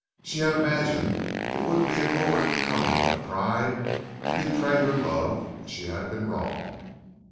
She had imagined it would be an overcoming of pride to betray her love, but she had been wrong.